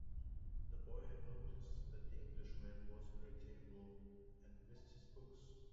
The boy had noticed that the Englishman was irritable, and missed his books.